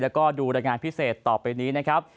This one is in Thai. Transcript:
แล้วก็ดูรายงานพิเศษต่อไปนี้นะครับ